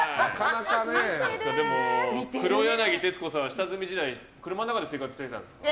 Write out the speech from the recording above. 黒柳徹子さん、下積み時代車の中で生活してたんですか。